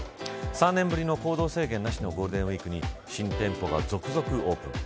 ３年ぶりの行動制限なしのゴールデンウイークに新店舗が続々オープン。